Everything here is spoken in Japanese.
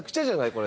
これ。